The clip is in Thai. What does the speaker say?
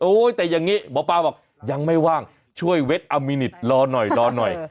แต่อย่างนี้หมอปลาบอกยังไม่ว่างช่วยเว็ดอัมมินิตรอหน่อยรอหน่อย